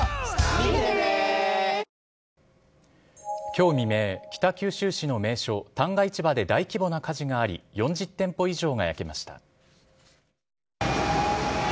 きょう未明、北九州市の名所、旦過市場で大規模な火事があり、４０店舗以上が焼けました。